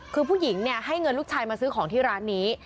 คือผู้หญิงเนี่ยให้เงินลูกชายมาซื้อของที่ร้านนี้